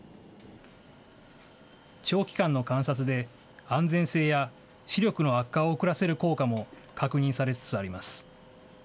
長期間の観察で、安全性や視力の悪化を遅らせる効果も確認されつつあります。